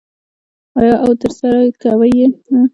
آیا او ترسره کوي یې نه؟